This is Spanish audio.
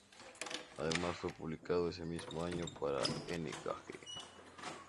Además fue publicado ese mismo año para N-Gage.